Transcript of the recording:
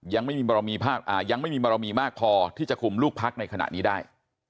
ยังไม่มีบารมีมากพอที่จะคุมลูกพักในขณะนี้ได้